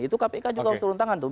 itu kpk juga harus turun tangan tuh